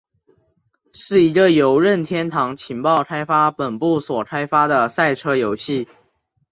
是一个由任天堂情报开发本部所开发的赛车游戏。